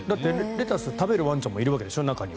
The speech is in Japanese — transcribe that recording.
レタス食べるワンちゃんも中にはいるわけでしょ？